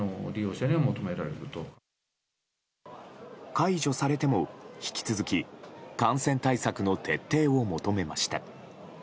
解除されても引き続き感染対策の徹底を求めました。